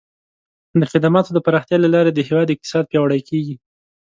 د خدماتو د پراختیا له لارې د هیواد اقتصاد پیاوړی کیږي.